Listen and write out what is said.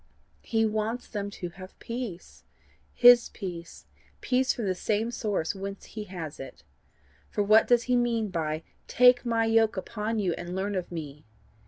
He wants them to have peace HIS peace peace from the same source whence he has it. For what does he mean by TAKE MY YOKE UPON YOU, AND LEARN OF ME?